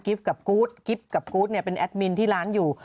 กิฟต์กับกู๊ดกิฟต์กับกู๊ดเป็นแอดมินที่ร้านอยู่